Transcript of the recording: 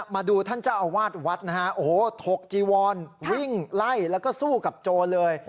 มาดูท่านเจ้าอาวาสวัดนะฮะโอ้โหถกจีวอนวิ่งไล่แล้วก็สู้กับโจรเลย